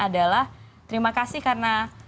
adalah terima kasih karena